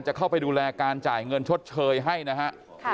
จะเข้าไปดูแลการจ่ายเงินชดเชยให้นะฮะ